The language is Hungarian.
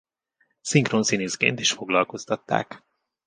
Szinkronszínészként is foglalkoztatták.